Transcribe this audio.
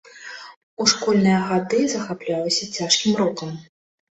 У школьныя гады захаплялася цяжкім рокам.